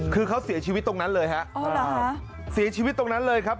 คือเขาเสียชีวิตตรงนั้นเลยฮะเสียชีวิตตรงนั้นเลยครับ